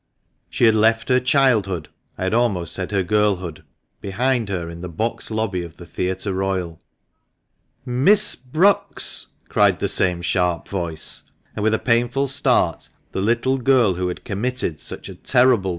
She had left her childhood (I had almost said her girlhood) behind her in the box lobby of the Theatre Royal. " Miss Brookes !" cried the same sharp voice ; and, with a painful start, the little girl who had committed such a terrible 228 THE MANCHESTER MAN.